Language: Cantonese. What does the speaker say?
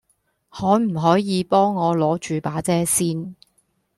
可唔可以幫我攞著把遮先